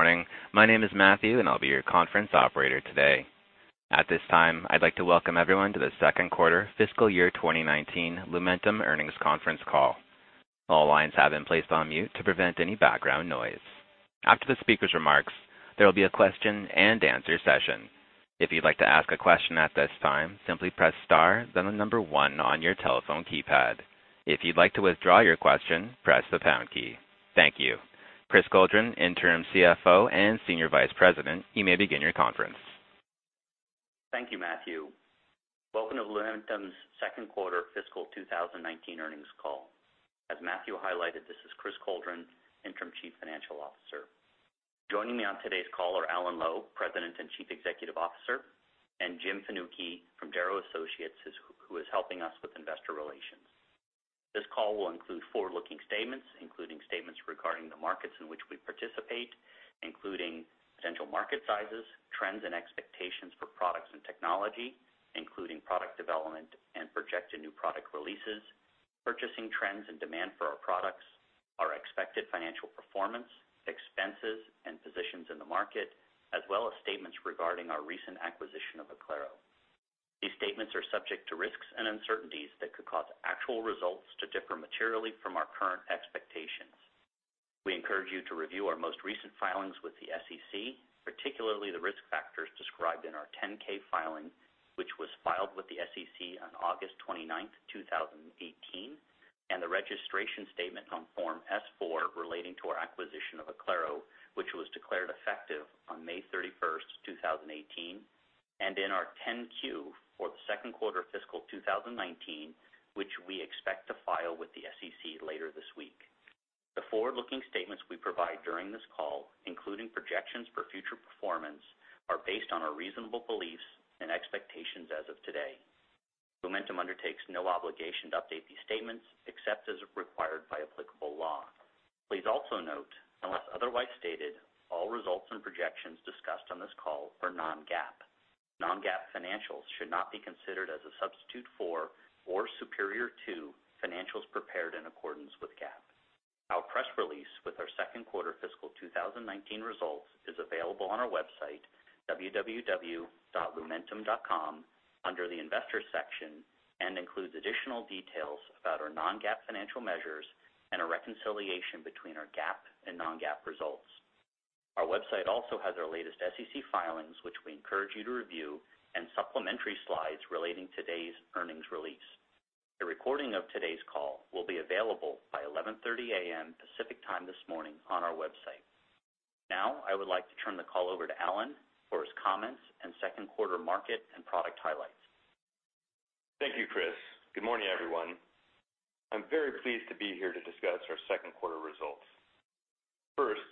Good morning. My name is Matthew, and I'll be your conference operator today. At this time, I'd like to welcome everyone to the Second Quarter Fiscal Year 2019 Lumentum Earnings Conference Call. All lines have been placed on mute to prevent any background noise. After the speaker's remarks, there will be a question-and-answer session. If you'd like to ask a question at this time, simply press star, then the number one on your telephone keypad. If you'd like to withdraw your question, press the pound key. Thank you. Chris Coldren, Interim CFO and Senior Vice President, you may begin your conference. Thank you, Matthew. Welcome to Lumentum's Second Quarter Fiscal 2019 Earnings Call. As Matthew highlighted, this is Chris Coldren, Interim Chief Financial Officer. Joining me on today's call are Alan Lowe, President and Chief Executive Officer, and Jim Fanucchi from Darrow Associates, who is helping us with investor relations. This call will include forward-looking statements, including statements regarding the markets in which we participate, including potential market sizes, trends, and expectations for products and technology, including product development and projected new product releases, purchasing trends, and demand for our products, our expected financial performance, expenses, and positions in the market, as well as statements regarding our recent acquisition of Oclaro. These statements are subject to risks and uncertainties that could cause actual results to differ materially from our current expectations. We encourage you to review our most recent filings with the SEC, particularly the risk factors described in our 10K filing, which was filed with the SEC on August 29th, 2018, and the registration statement on Form S-4 relating to our acquisition of Oclaro, which was declared effective on May 31st, 2018, and in our 10-Q for the second quarter of fiscal 2019, which we expect to file with the SEC later this week. The forward-looking statements we provide during this call, including projections for future performance, are based on our reasonable beliefs and expectations as of today. Lumentum undertakes no obligation to update these statements except as required by applicable law. Please also note, unless otherwise stated, all results and projections discussed on this call are non-GAAP. Non-GAAP financials should not be considered as a substitute for or superior to financials prepared in accordance with GAAP. Our press release with our second quarter fiscal 2019 results is available on our website, www.lumentum.com, under the investors section and includes additional details about our non-GAAP financial measures and a reconciliation between our GAAP and non-GAAP results. Our website also has our latest SEC filings, which we encourage you to review, and supplementary slides relating today's earnings release. A recording of today's call will be available by 11:30 A.M. Pacific Time this morning on our website. Now, I would like to turn the call over to Alan for his comments and second quarter market and product highlights. Thank you Chris. Good morning everyone. I'm very pleased to be here to discuss our second quarter results. First,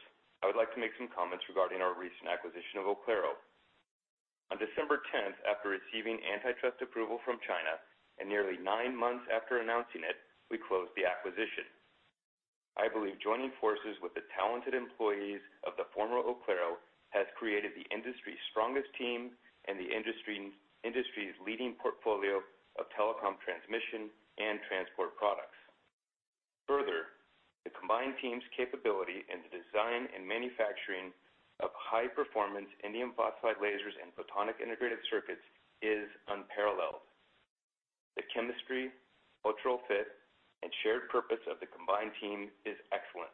I would like to make some comments regarding our recent acquisition of Oclaro. On December 10th, after receiving antitrust approval from China and nearly nine months after announcing it, we closed the acquisition. I believe joining forces with the talented employees of the former Oclaro has created the industry's strongest team and the industry's leading portfolio of telecom transmission and transport products. Further, the combined team's capability in the design and manufacturing of high-performance indium phosphide lasers and photonic integrated circuits is unparalleled. The chemistry, cultural fit, and shared purpose of the combined team is excellent.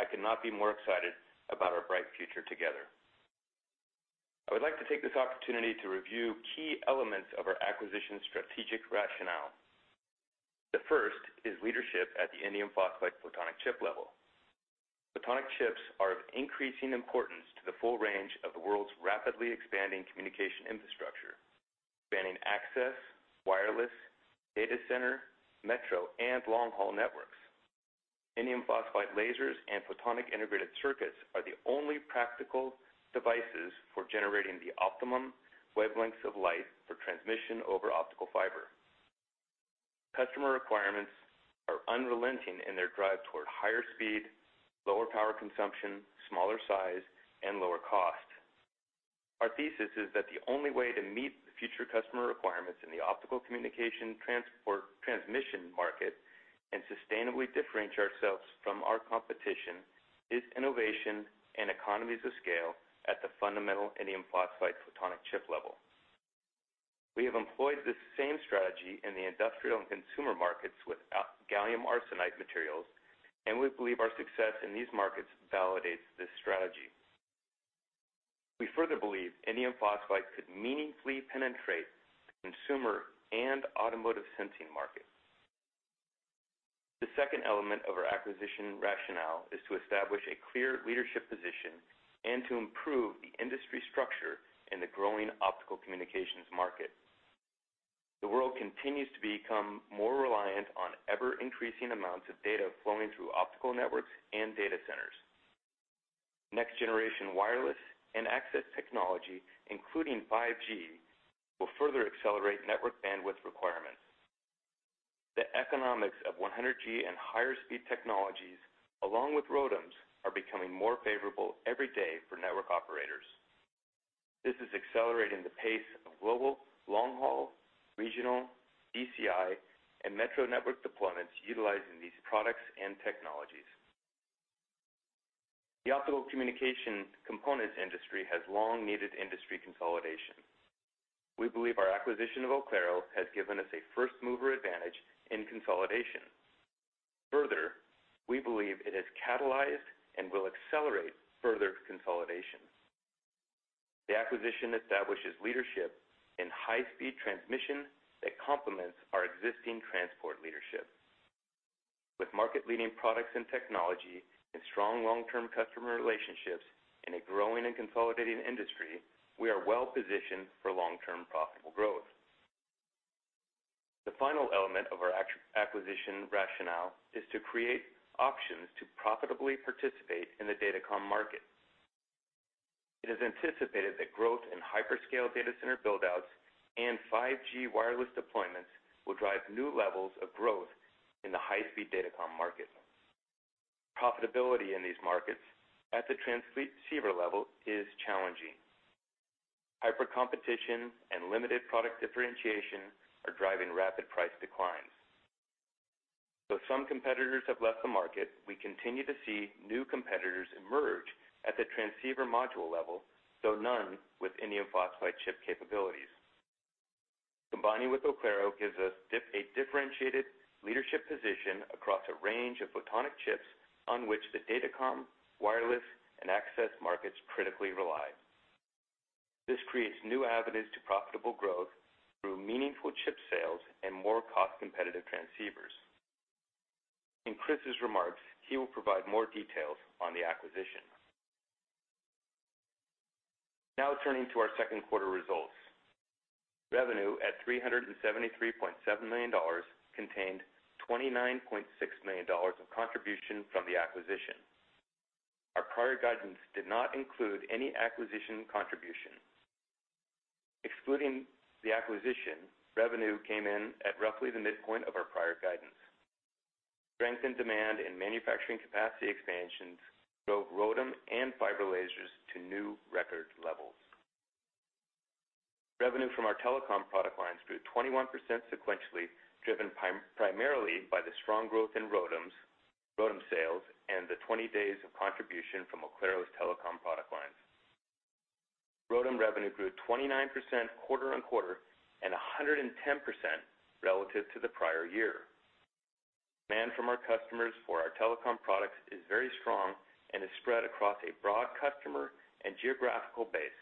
I could not be more excited about our bright future together. I would like to take this opportunity to review key elements of our acquisition strategic rationale. The first is leadership at the indium phosphide photonic chip level. Photonic chips are of increasing importance to the full range of the world's rapidly expanding communication infrastructure, spanning access, wireless, data center, metro, and long-haul networks. Indium phosphide lasers and photonic integrated circuits are the only practical devices for generating the optimum wavelengths of light for transmission over optical fiber. Customer requirements are unrelenting in their drive toward higher speed, lower power consumption, smaller size, and lower cost. Our thesis is that the only way to meet the future customer requirements in the optical communication transport transmission market and sustainably differentiate ourselves from our competition is innovation and economies of scale at the fundamental indium phosphide photonic chip level. We have employed this same strategy in the industrial and consumer markets with gallium arsenide materials, and we believe our success in these markets validates this strategy. We further believe indium phosphide could meaningfully penetrate the consumer and automotive sensing market. The second element of our acquisition rationale is to establish a clear leadership position and to improve the industry structure in the growing optical communications market. The world continues to become more reliant on ever-increasing amounts of data flowing through optical networks and data centers. Next-generation wireless and access technology, including 5G, will further accelerate network bandwidth requirements. The economics of 100G and higher speed technologies, along with ROADMs, are becoming more favorable every day for network operators. This is accelerating the pace of global long-haul, regional, DCI, and metro network deployments utilizing these products and technologies. The optical communication components industry has long needed industry consolidation. We believe our acquisition of Oclaro has given us a first-mover advantage in consolidation. Further, we believe it has catalyzed and will accelerate further consolidation. The acquisition establishes leadership in high-speed transmission that complements our existing transport leadership. With market-leading products and technology and strong long-term customer relationships in a growing and consolidating industry, we are well positioned for long-term profitable growth. The final element of our acquisition rationale is to create options to profitably participate in the datacom market. It is anticipated that growth in hyperscale data center build-outs and 5G wireless deployments will drive new levels of growth in the high-speed datacom market. Profitability in these markets at the transceiver level is challenging. Hyper competition and limited product differentiation are driving rapid price declines. Though some competitors have left the market, we continue to see new competitors emerge at the transceiver module level, though none with indium phosphide chip capabilities. Combining with Oclaro gives us a differentiated leadership position across a range of photonic chips on which the datacom, wireless, and access markets critically rely. This creates new avenues to profitable growth through meaningful chip sales and more cost-competitive transceivers. In Chris' remarks, he will provide more details on the acquisition. Turning to our second quarter results. Revenue at $373.7 million contained $29.6 million of contribution from the acquisition. Our prior guidance did not include any acquisition contribution. Excluding the acquisition, revenue came in at roughly the midpoint of our prior guidance. Strengthened demand and manufacturing capacity expansions drove ROADM and fiber lasers to new record levels. Revenue from our telecom product lines grew 21% sequentially, driven primarily by the strong growth in ROADM sales and the 20 days of contribution from Oclaro's telecom product lines. ROADM revenue grew 29% quarter on quarter and 110% relative to the prior year. Demand from our customers for our telecom products is very strong and is spread across a broad customer and geographical base.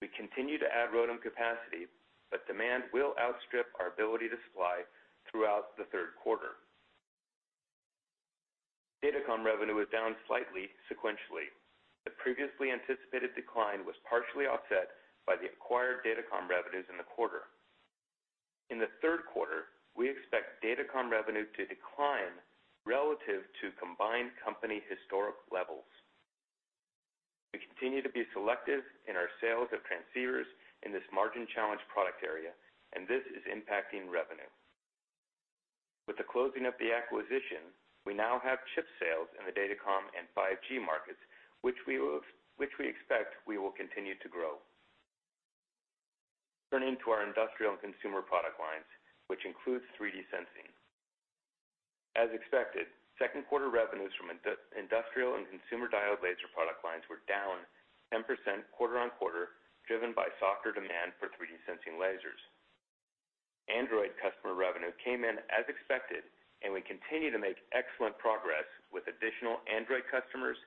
We continue to add ROADM capacity, but demand will outstrip our ability to supply throughout the third quarter. Datacom revenue was down slightly sequentially. The previously anticipated decline was partially offset by the acquired datacom revenues in the quarter. In the third quarter, we expect datacom revenue to decline relative to combined company historic levels. We continue to be selective in our sales of transceivers in this margin-challenged product area, and this is impacting revenue. With the closing of the acquisition, we now have chip sales in the datacom and 5G markets, which we expect we will continue to grow. Turning to our industrial and consumer product lines, which includes 3D sensing. As expected, second quarter revenues from industrial and consumer diode laser product lines were down 10% quarter-on-quarter, driven by softer demand for 3D sensing lasers. Android customer revenue came in as expected, and we continue to make excellent progress with additional Android customers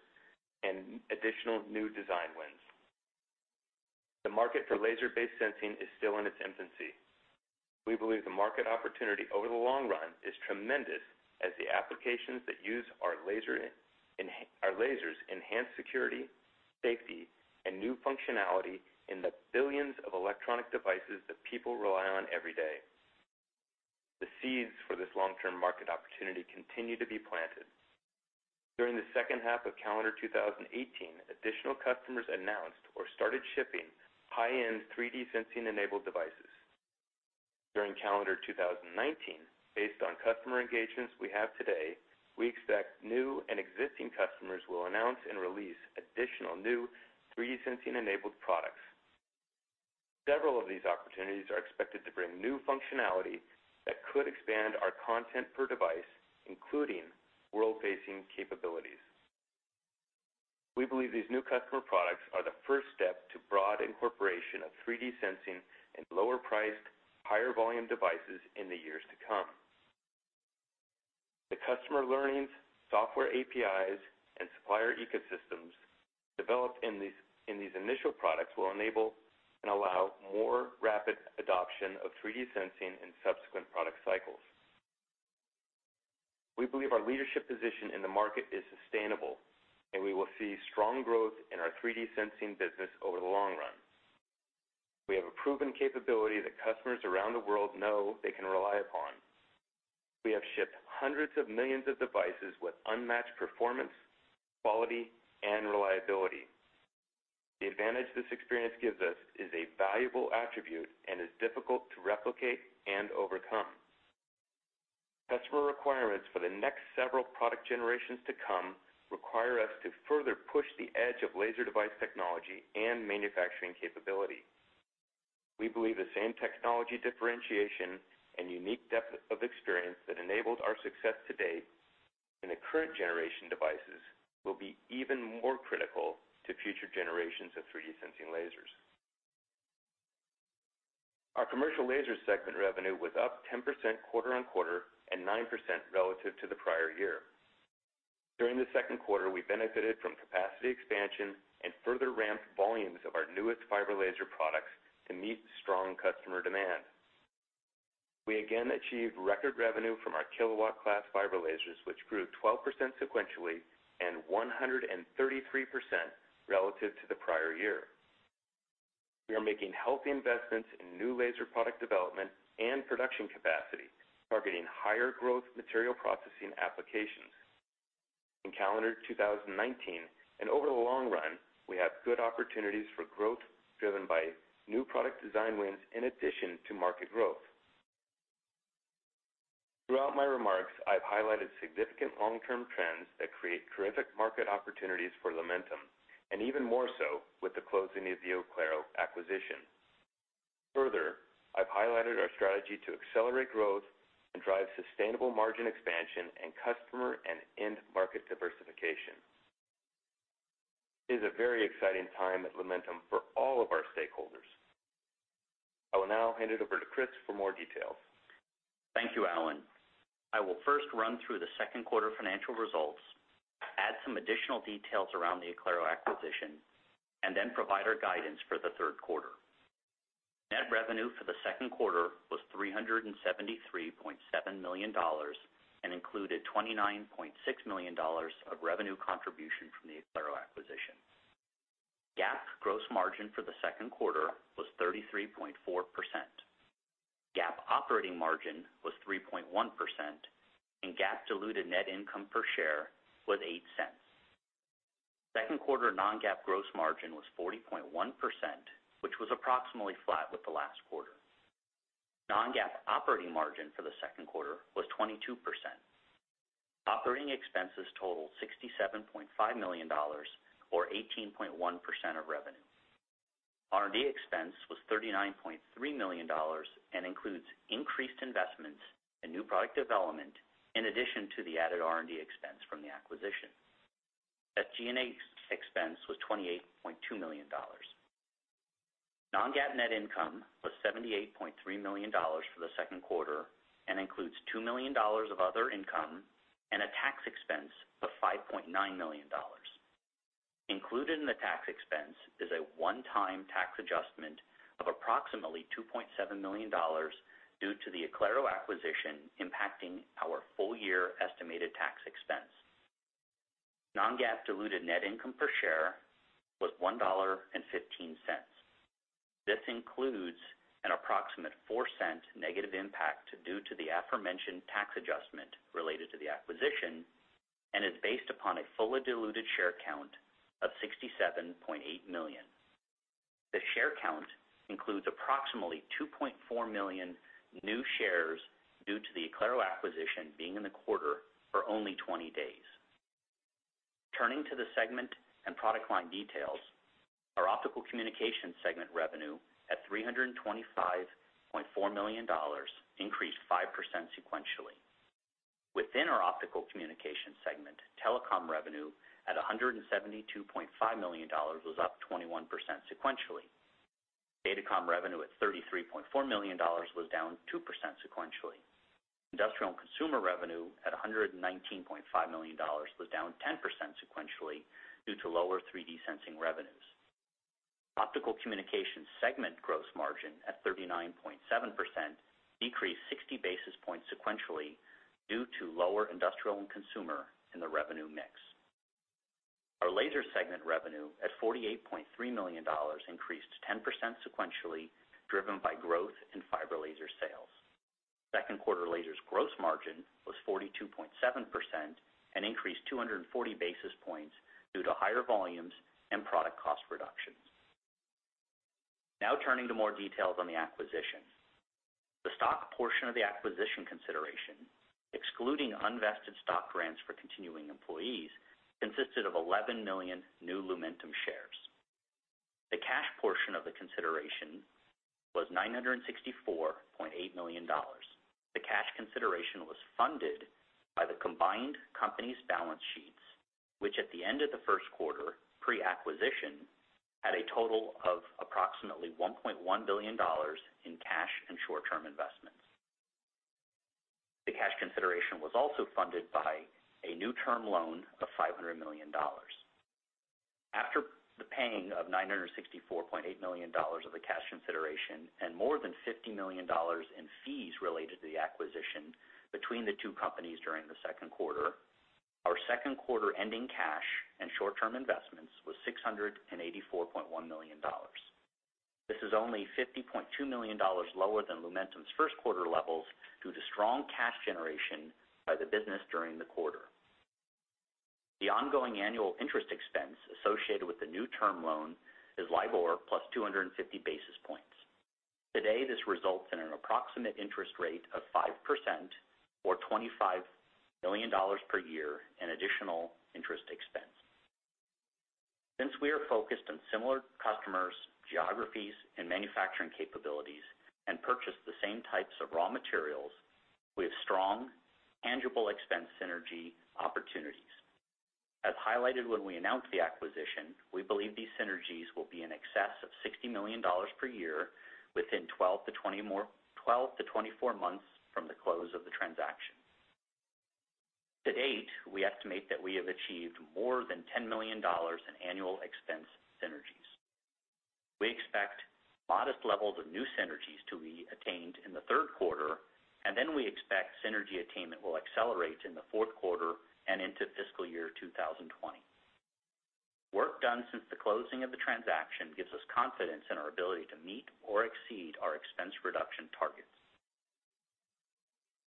and additional new design wins. The market for laser-based sensing is still in its infancy. We believe the market opportunity over the long run is tremendous, as the applications that use our lasers enhance security, safety, and new functionality in the billions of electronic devices that people rely on every day. The seeds for this long-term market opportunity continue to be planted. During the second half of calendar 2018, additional customers announced or started shipping high-end 3D sensing enabled devices. During calendar 2019, based on customer engagements we have today, we expect new and existing customers will announce and release additional new 3D sensing enabled products. Several of these opportunities are expected to bring new functionality that could expand our content per device, including world-facing capabilities. We believe these new customer products are the first step to broad incorporation of 3D sensing in lower priced, higher volume devices in the years to come. The customer learnings, software APIs, and supplier ecosystems developed in these initial products will enable and allow more rapid adoption of 3D sensing in subsequent product cycles. We believe our leadership position in the market is sustainable, and we will see strong growth in our 3D sensing business over the long run. We have a proven capability that customers around the world know they can rely upon. We have shipped hundreds of millions of devices with unmatched performance, quality, and reliability. The advantage this experience gives us is a valuable attribute and is difficult to replicate and overcome. Customer requirements for the next several product generations to come require us to further push the edge of laser device technology and manufacturing capability. We believe the same technology differentiation and unique depth of experience that enabled our success to date in the current generation devices will be even more critical to future generations of 3D sensing lasers. Our commercial laser segment revenue was up 10% quarter-on-quarter and 9% relative to the prior year. During the second quarter, we benefited from capacity expansion and further ramped volumes of our newest fiber laser products to meet strong customer demand. We again achieved record revenue from our kilowatt class fiber lasers, which grew 12% sequentially and 133% relative to the prior year. We are making healthy investments in new laser product development and production capacity, targeting higher growth material processing applications. In calendar 2019 and over the long run, we have good opportunities for growth driven by new product design wins in addition to market growth. Throughout my remarks, I've highlighted significant long-term trends that create terrific market opportunities for Lumentum, and even more so with the closing of the Oclaro acquisition. Further, I've highlighted our strategy to accelerate growth and drive sustainable margin expansion and customer and end market diversification. It is a very exciting time at Lumentum for all of our stakeholders. I will now hand it over to Chris for more details. Thank you Alan. I will first run through the second quarter financial results, add some additional details around the Oclaro acquisition, and then provide our guidance for the third quarter. Net revenue for the second quarter was $373.7 million and included $29.6 million of revenue contribution from the Oclaro acquisition. GAAP gross margin for the second quarter was 33.4%. GAAP operating margin was 3.1%, and GAAP diluted net income per share was $0.08. Second quarter non-GAAP gross margin was 40.1%, which was approximately flat with the last quarter. non-GAAP operating margin for the second quarter was 22%. Operating expenses totaled $67.5 million, or 18.1% of revenue. R&D expense was $39.3 million and includes increased investments in new product development in addition to the added R&D expense from the acquisition. That G&A expense was $28.2 million. Non-GAAP net income was $78.3 million for the second quarter and includes $2 million of other income and a tax expense of $5.9 million. Included in the tax expense is a one-time tax adjustment of approximately $2.7 million due to the Oclaro acquisition impacting our full year estimated tax expense. non-GAAP diluted net income per share was $1.15. This includes an approximate $0.04 negative impact due to the aforementioned tax adjustment related to the acquisition and is based upon a fully diluted share count of 67.8 million. The share count includes approximately 2.4 million new shares due to the Oclaro acquisition being in the quarter for only 20 days. Turning to the segment and product line details. Our optical communication segment revenue at $325.4 million increased 5% sequentially. Within our optical communication segment, telecom revenue at $172.5 million was up 21% sequentially. Datacom revenue at $33.4 million was down 2% sequentially. Industrial and consumer revenue at $119.5 million was down 10% sequentially due to lower 3D sensing revenues. Optical communication segment gross margin at 39.7% decreased 60 basis points sequentially due to lower industrial and consumer in the revenue mix. Our laser segment revenue at $48.3 million increased 10% sequentially, driven by growth in fiber laser sales. Second quarter lasers gross margin was 42.7% and increased 240 basis points due to higher volumes and product cost reductions. Turning to more details on the acquisition. The stock portion of the acquisition consideration, excluding unvested stock grants for continuing employees, consisted of 11 million new Lumentum shares. The cash portion of the consideration was $964.8 million. The cash consideration was funded by the combined company's balance sheets, which at the end of the first quarter pre-acquisition, had a total of approximately $1.1 billion in cash and short-term investments. The cash consideration was also funded by a new term loan of $500 million. After the paying of $964.8 million of the cash consideration and more than $50 million in fees related to the acquisition between the two companies during the second quarter, our second quarter ending cash and short-term investments was $684.1 million. This is only $50.2 million lower than Lumentum's first quarter levels due to strong cash generation by the business during the quarter. The ongoing annual interest expense associated with the new term loan is LIBOR plus 250 basis points. Today, this results in an approximate interest rate of 5% or $25 million per year in additional interest expense. We are focused on similar customers, geographies, and manufacturing capabilities, and purchase the same types of raw materials, we have strong tangible expense synergy opportunities. As highlighted when we announced the acquisition, we believe these synergies will be in excess of $60 million per year within 12-24 months from the close of the transaction. To date, we estimate that we have achieved more than $10 million in annual expense synergies. We expect modest levels of new synergies to be attained in the third quarter. We expect synergy attainment will accelerate in the fourth quarter and into fiscal year 2020. Work done since the closing of the transaction gives us confidence in our ability to meet or exceed our expense reduction targets.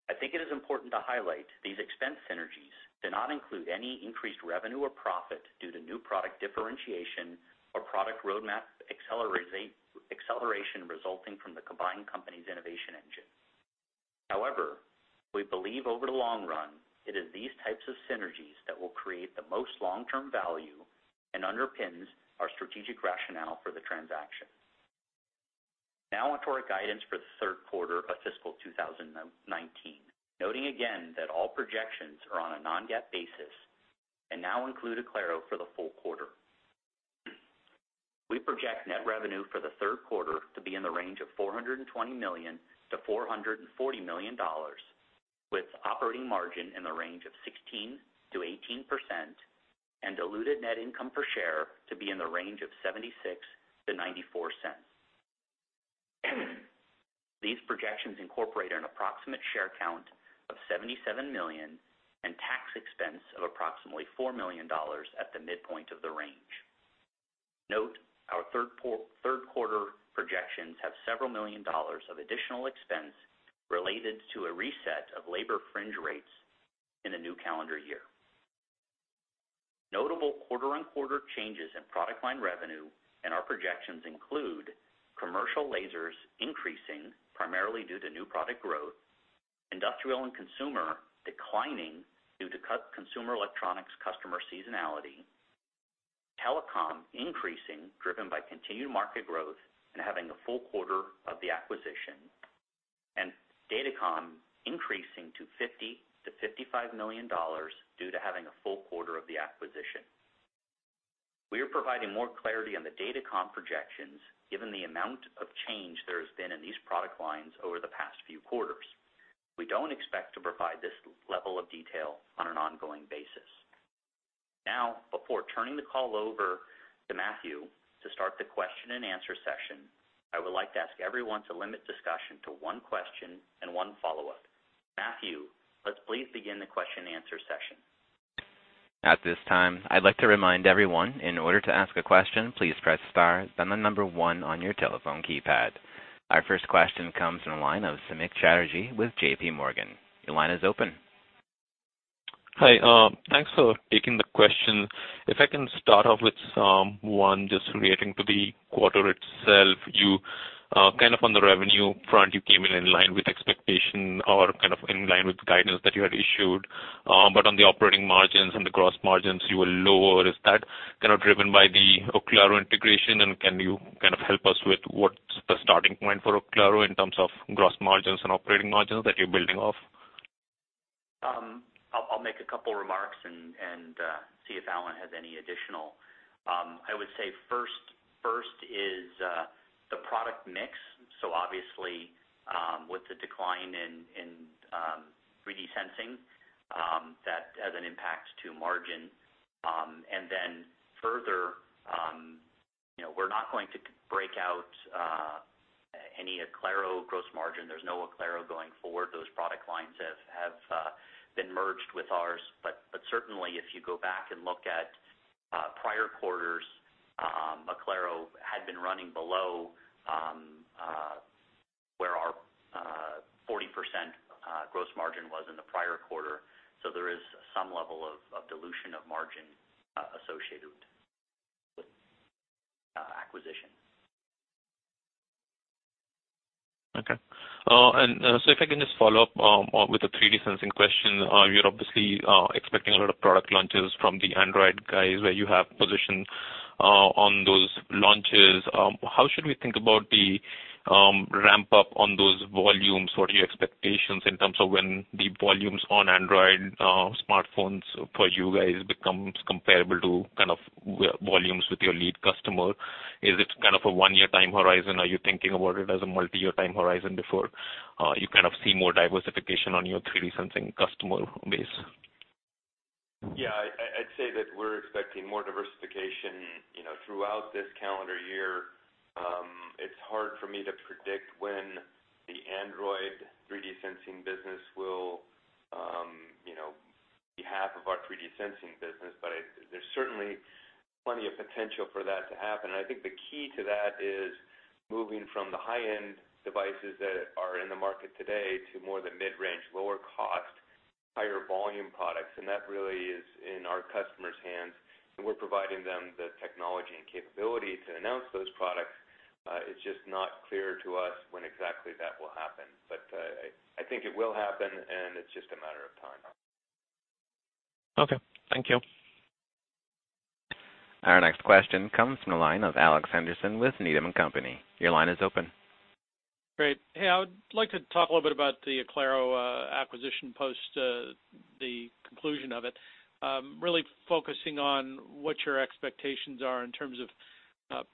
I think it is important to highlight these expense synergies do not include any increased revenue or profit due to new product differentiation or product roadmap acceleration resulting from the combined company's innovation engine. We believe over the long run, it is these types of synergies that will create the most long-term value and underpins our strategic rationale for the transaction. Onto our guidance for the third quarter of fiscal 2019, noting again that all projections are on a non-GAAP basis and now include Oclaro for the full quarter. We project net revenue for the third quarter to be in the range of $420 million-$440 million, with operating margin in the range of 16%-18% and diluted net income per share to be in the range of $0.76-$0.94. These projections incorporate an approximate share count of 77 million and tax expense of approximately $4 million at the midpoint of the range. Note, our third quarter projections have several million dollars of additional expense related to a reset of labor fringe rates in the new calendar year. Notable quarter-on-quarter changes in product line revenue and our projections include commercial lasers increasing primarily due to new product growth, industrial and consumer declining due to consumer electronics customer seasonality, telecom increasing driven by continued market growth and having a full quarter of the acquisition, and datacom increasing to $50 million-$55 million due to having a full quarter of the acquisition. We are providing more clarity on the datacom projections, given the amount of change there has been in these product lines over the past few quarters. We don't expect to provide this level of detail on an ongoing basis. Before turning the call over to Matthew to start the question and answer session, I would like to ask everyone to limit discussion to one question and one follow-up. Matthew, let's please begin the question and answer session. At this time, I'd like to remind everyone, in order to ask a question, please press star, then the number one on your telephone keypad. Our first question comes from the line of Samik Chatterjee with JPMorgan. Your line is open. Hi, thanks for taking the question. If I can start off with one just relating to the quarter itself. On the revenue front, you came in in line with expectation or in line with guidance that you had issued. On the operating margins and the gross margins, you were lower. Is that driven by the Oclaro integration? And can you help us with what's the starting point for Oclaro in terms of gross margins and operating margins that you're building off? I'll make a couple of remarks and see if Alan has any additional. I would say first is the product mix. Obviously, with the decline in 3D sensing, that has an impact to margin. Further, we're not going to break out any Oclaro gross margin. There's no Oclaro going forward. Those product lines have been merged with ours. Certainly, if you go back and look at prior quarters, Oclaro had been running below where our 40% gross margin was in the prior quarter. There is some level of dilution of margin associated with acquisition. Okay. If I can just follow up with the 3D sensing question. You're obviously expecting a lot of product launches from the Android guys where you have positions on those launches. How should we think about the ramp-up on those volumes? What are your expectations in terms of when the volumes on Android smartphones for you guys becomes comparable to volumes with your lead customer? Is it a one-year time horizon? Are you thinking about it as a multi-year time horizon before you see more diversification on your 3D sensing customer base? Yeah, I'd say that we're expecting more diversification throughout this calendar year. It's hard for me to predict when the Android 3D sensing business will be half of our 3D sensing business, There's certainly plenty of potential for that to happen, and I think the key to that is moving from the high-end devices that are in the market today to more of the mid-range, lower cost, higher volume products, and that really is in our customers' hands, and we're providing them the technology and capability to announce those products. It's just not clear to us when exactly that will happen. I think it will happen, and it's just a matter of time. Okay, thank you. Our next question comes from the line of Alex Henderson with Needham & Company. Your line is open. Great. Hey, I would like to talk a little bit about the Oclaro acquisition, post the conclusion of it. Really focusing on what your expectations are in terms of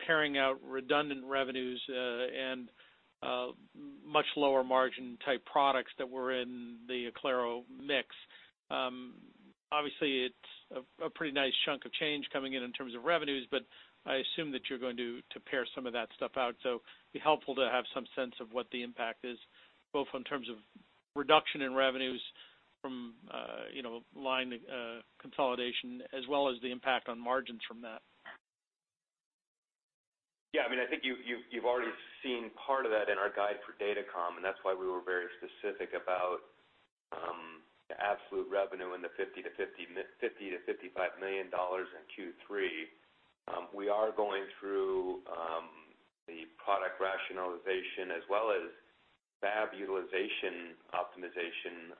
paring out redundant revenues and much lower margin type products that were in the Oclaro mix. Obviously, it's a pretty nice chunk of change coming in terms of revenues, but I assume that you're going to pare some of that stuff out. It'd be helpful to have some sense of what the impact is, both in terms of reduction in revenues from line consolidation, as well as the impact on margins from that? Yeah, I think you've already seen part of that in our guide for Datacom, That's why we were very specific about the absolute revenue in the $50 million-$55 million in Q3. We are going through the product rationalization as well as fab utilization optimization,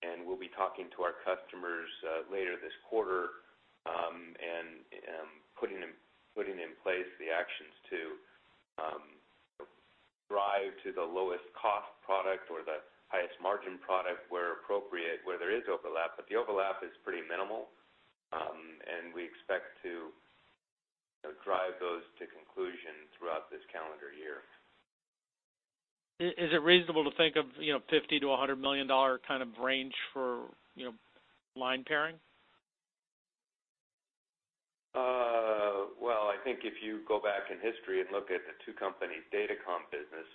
and we'll be talking to our customers later this quarter, and putting in place the actions to drive to the lowest cost product or the highest margin product where appropriate, where there is overlap. The overlap is pretty minimal, and we expect to drive those to conclusion throughout this calendar year. Is it reasonable to think of $50 million-$100 million kind of range for line pairing? Well, I think if you go back in history and look at the two companies' Datacom business,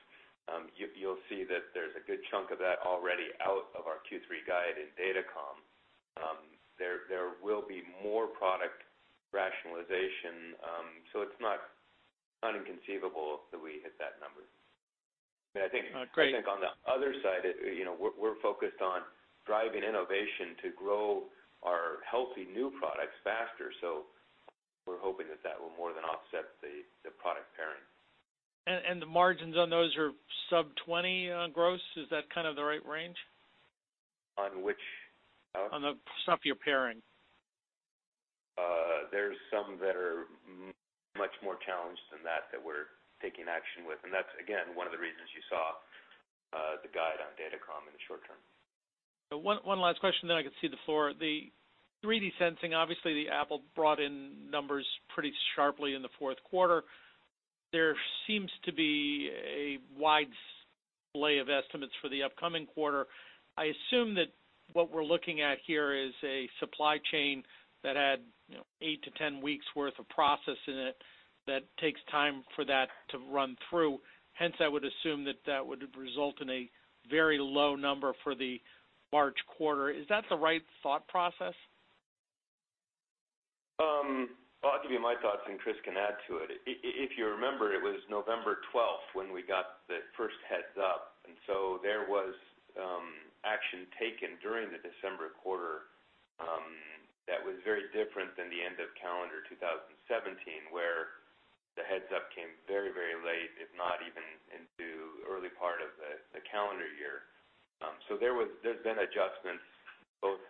you'll see that there's a good chunk of that already out of our Q3 guide in Datacom. There will be more product rationalization, it's not inconceivable that we hit that number. Great. I think on the other side, we're focused on driving innovation to grow our healthy new products faster. We're hoping that that will more than offset the product pairing. The margins on those are sub 20% on gross. Is that kind of the right range? On which? On the stuff you're pairing. There's some that are much more challenged than that we're taking action with. That's, again, one of the reasons you saw the guide on Datacom in the short term. One last question, then I can cede the floor. The 3D sensing, obviously, the Apple brought in numbers pretty sharply in the fourth quarter. There seems to be a wide splay of estimates for the upcoming quarter. I assume that what we're looking at here is a supply chain that had 8-10 weeks worth of process in it, that takes time for that to run through. Hence, I would assume that that would result in a very low number for the March quarter. Is that the right thought process? Well, I'll give you my thoughts, Chris can add to it. If you remember, it was November 12 when we got the first heads-up, there was action taken during the December quarter that was very different than the end of calendar 2017, where the heads-up came very late, if not even into the early part of the calendar year. There's been adjustments, both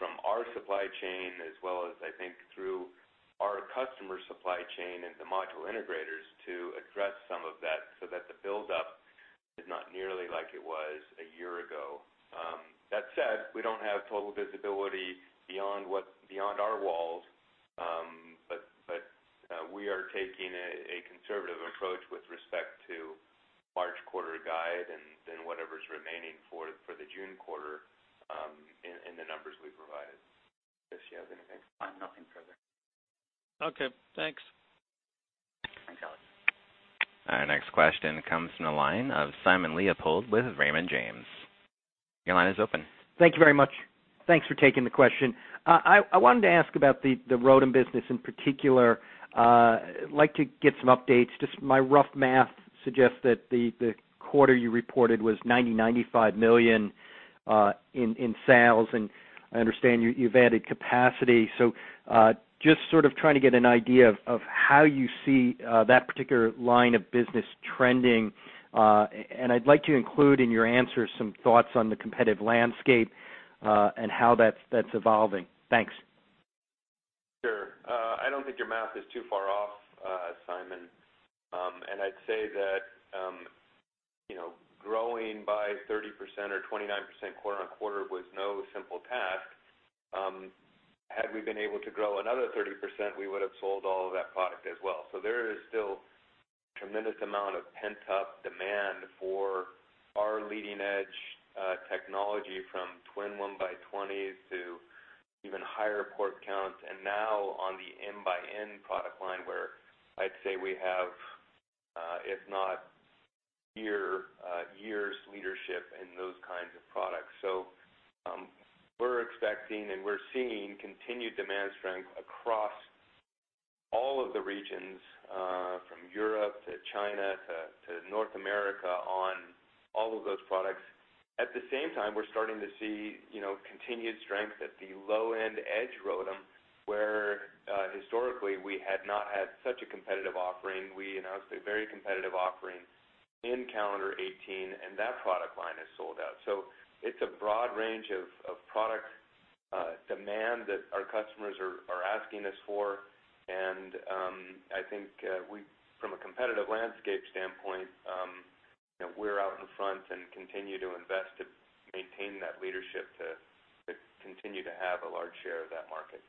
from our supply chain as well as, I think, through our customer supply chain and the module integrators to address some of that, so that the buildup is not nearly like it was a year ago. That said, we don't have total visibility beyond our walls. We are taking a conservative approach with respect to March quarter guide and then whatever's remaining for the June quarter in the numbers we provided. Chris, do you have anything? I have nothing further. Okay, thanks. Thanks, Alex. Our next question comes from the line of Simon Leopold with Raymond James. Your line is open. Thank you very much. Thanks for taking the question. I wanted to ask about the ROADM business in particular. I'd like to get some updates. Just my rough math suggests that the quarter you reported was $90 million-$95 million in sales, and I understand you've added capacity. Just sort of trying to get an idea of how you see that particular line of business trending. I'd like to include in your answer some thoughts on the competitive landscape, and how that's evolving? Thanks. Sure. I don't think your math is too far off, Simon. I'd say that growing by 30% or 29% quarter-on-quarter was no simple task. Had we been able to grow another 30%, we would have sold all of that product as well. There is still a tremendous amount of pent-up demand for our leading-edge technology, from Twin 1x20s to even higher port counts. Now on the MxN product line, where I'd say we have years leadership in those kinds of products. We're expecting and we're seeing continued demand strength across all of the regions, from Europe to China to North America on all of those products. At the same time, we're starting to see continued strength at the low-end edge ROADM, where historically we had not had such a competitive offering. We announced a very competitive offering in calendar 2018, and that product line has sold out. It's a broad range of product demand that our customers are asking us for. I think from a competitive landscape standpoint, we're out in front and continue to invest to maintain that leadership to continue to have a large share of that market.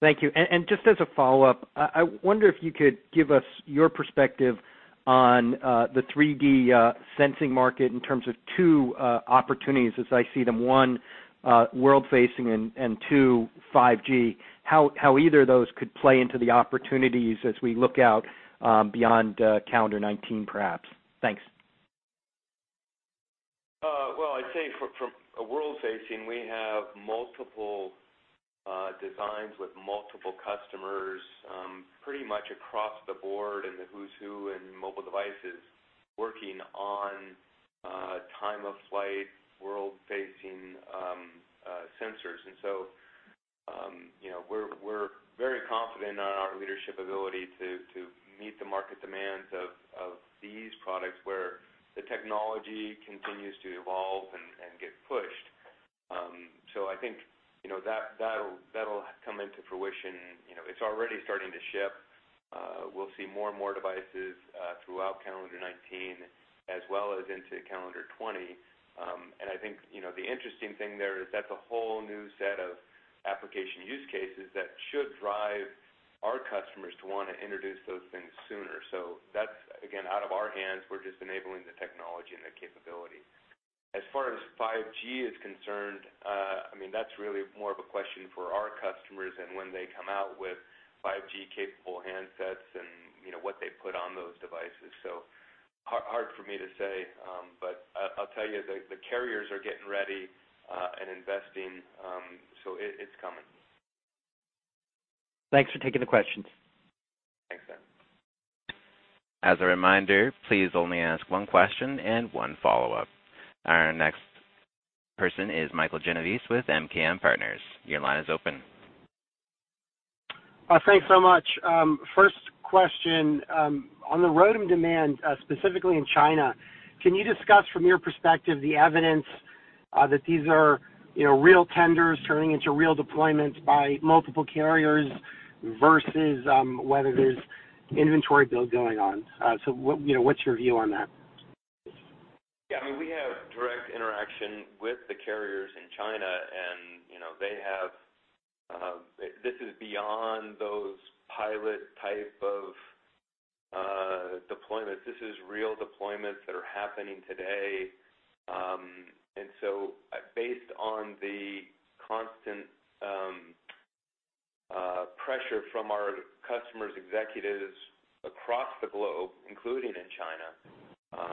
Thank you. Just as a follow-up, I wonder if you could give us your perspective on the 3D sensing market in terms of two opportunities as I see them, one, world-facing and two, 5G. How either of those could play into the opportunities as we look out beyond calendar 2019, perhaps? Thanks. I'd say from a world-facing, we have multiple designs with multiple customers, pretty much across the board in the who's who in mobile devices, working on time-of-flight world-facing sensors. We're very confident on our leadership ability to meet the market demands of these products where the technology continues to evolve and get pushed. I think that'll come into fruition. It's already starting to ship. We'll see more and more devices throughout calendar 2019 as well as into calendar 2020. I think the interesting thing there is that's a whole new set of application use cases that should drive our customers to want to introduce those things sooner. That's, again, out of our hands. We're just enabling the technology and the capability. As far as 5G is concerned, that's really more of a question for our customers and when they come out with 5G capable handsets and what they put on those devices. Hard for me to say, but I'll tell you, the carriers are getting ready and investing, so it's coming. Thanks for taking the questions. Thanks, Simon. As a reminder, please only ask one question and one follow-up. Our next person is Michael Genovese with MKM Partners. Your line is open. Thanks so much. First question, on the ROADM demand, specifically in China, can you discuss from your perspective the evidence that these are real tenders turning into real deployments by multiple carriers versus whether there's inventory build going on? What's your view on that? Yeah, we have direct interaction with the carriers in China, and this is beyond those pilot type of deployments. This is real deployments that are happening today. Based on the constant pressure from our customers, executives across the globe, including in China,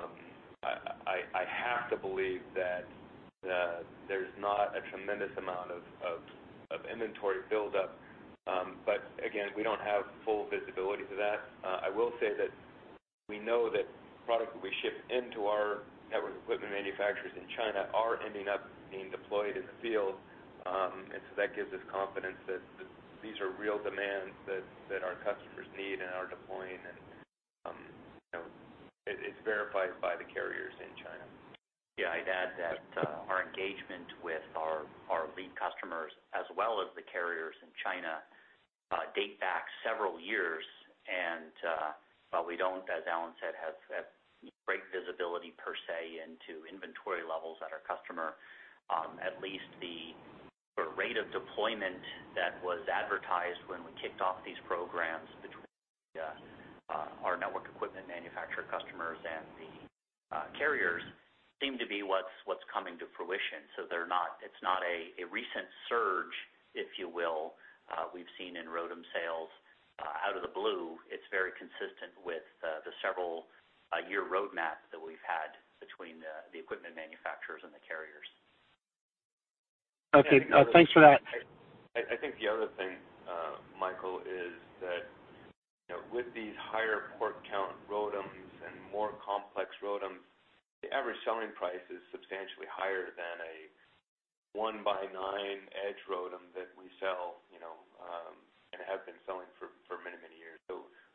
I have to believe that there's not a tremendous amount of inventory buildup. Again, we don't have full visibility to that. I will say that we know that product that we ship into our network equipment manufacturers in China are ending up being deployed in the field. That gives us confidence that these are real demands that our customers need and are deploying and it's verified by the carriers in China. Yeah, I'd add that our engagement with our lead customers as well as the carriers in China date back several years. While we don't, as Alan said, have great visibility per se into inventory levels at our customer, at least the sort of rate of deployment that was advertised when we kicked off these programs between our network equipment manufacturer customers and the carriers seem to be what's coming to fruition. It's not a recent surge, if you will, we've seen in ROADM sales out of the blue. It's very consistent with the several year roadmaps that we've had between the equipment manufacturers and the carriers. Okay. Thanks for that. I think the other thing, Michael, is that with these higher port count ROADMs and more complex ROADMs, the average selling price is substantially higher than a 1x9 edge ROADM that we sell, and have been selling for many, many years.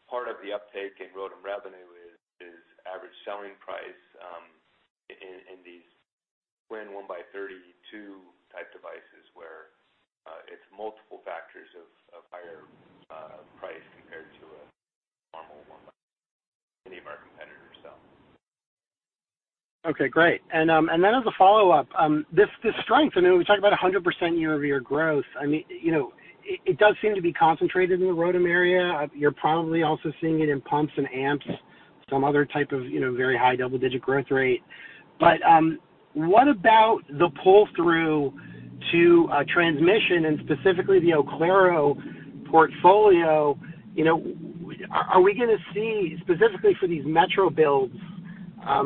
Part of the uptick in ROADM revenue is average selling price in these Twin 1x32 type devices where it's multiple factors of higher price compared to a normal one by any of our competitors sell. Okay, great. As a follow-up, this strength, we talk about 100% year-over-year growth. It does seem to be concentrated in the ROADM area. You're probably also seeing it in pump lasers and amps. Some other type of very high double-digit growth rate. What about the pull through to transmission and specifically the Oclaro portfolio? Are we going to see, specifically for these metro builds, are